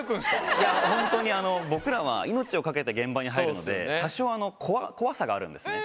いやホントにあの僕らは命を懸けて現場に入るので多少怖さがあるんですね。